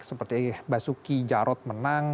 seperti basuki jarot menang